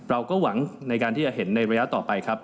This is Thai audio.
เราก็หวังในการที่จะเห็นในระยะต่อไปครับ